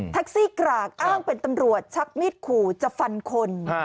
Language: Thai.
กรากอ้างเป็นตำรวจชักมีดขู่จะฟันคน